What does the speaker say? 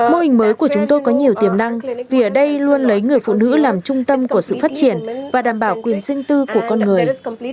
mô hình mới của chúng tôi có nhiều tiềm năng vì ở đây luôn lấy người phụ nữ làm trung tâm của sự phát triển và đảm bảo quyền riêng tư của con người